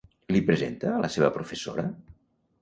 Li presenta a la seva professora?